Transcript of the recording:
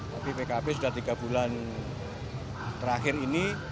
tapi pkb sudah tiga bulan terakhir ini